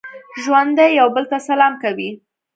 ژوندي یو بل ته سلام کوي